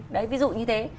đấy ví dụ như thế